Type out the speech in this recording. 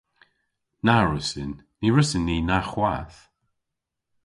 Na wrussyn. Ny wrussyn ni na hwath.